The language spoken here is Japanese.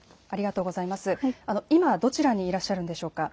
今どちらにいらっしゃるんでしょうか。